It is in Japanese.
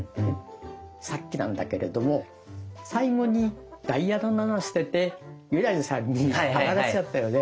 さっきなんだけれども最後にダイヤの７捨てて優良梨さんにあがらせちゃったよね。